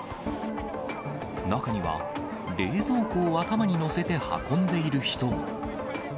中には、冷蔵庫を頭に載せて運んでいる人も。